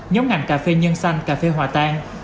nhóm ngành cà phê nhân xanh cà phê hòa tan